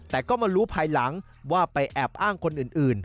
แต่ก็มารู้ภายหลังว่าไปแอบอ้างคนอื่น